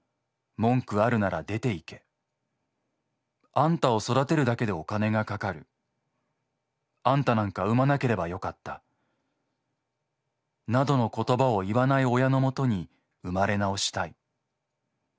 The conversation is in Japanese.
『あんたを育てるだけでお金がかかる』『あんたなんか産まなければよかった』などの言葉を言わない親のもとに産まれ直したい。